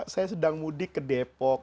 saya sedang mudik ke depok